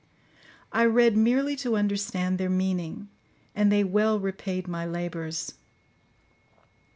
I read merely to understand their meaning, and they well repaid my labours.